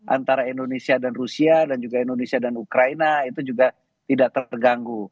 antara indonesia dan rusia dan juga indonesia dan ukraina itu juga tidak terganggu